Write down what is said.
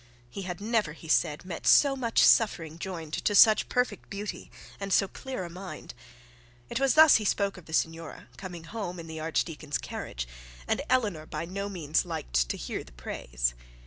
He had never, he said, met so much suffering joined to such perfect beauty and so clear a mind. 'Twas thus he spoke of the signora coming home in the archdeacon's carriage; and Eleanor by no means liked to hear the praise.